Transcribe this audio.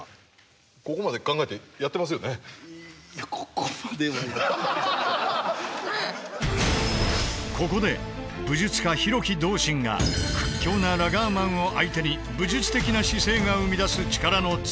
こうじゃなくてここで武術家廣木道心が屈強なラガーマンを相手に武術的な姿勢が生み出す力の強さを実演。